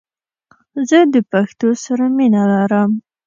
زه د پښتو سره مینه لرم🇦🇫❤️